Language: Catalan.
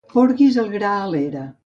Porguis el gra a l'era.